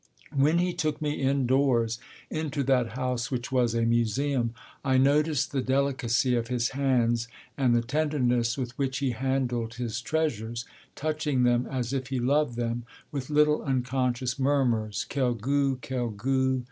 When he took me indoors, into that house which was a museum, I noticed the delicacy of his hands, and the tenderness with which he handled his treasures, touching them as if he loved them, with little, unconscious murmurs: _Quel goût! quel goût!